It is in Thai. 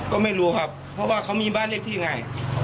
ก็ไม่รู้ครับเพราะว่าเขามีบ้านเลขที่ยังไง